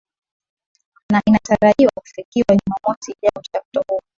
na inatarajiwa kufikiwa jumamosi ijayo mchakato huo